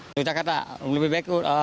di jakarta lebih baik